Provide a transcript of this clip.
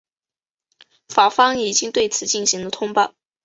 法方已经对此进行了通报。